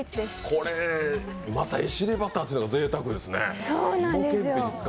これ、またエシレバターというのがぜいたくですね。